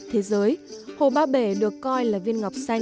hồ ba bể